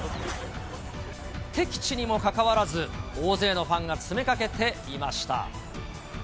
敵地にもかかわらず、大勢のファンが詰めかけていました。